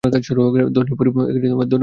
ধনী পরিবারের মেয়ে।